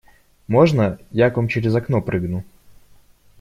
Можно, я к вам через окно прыгну?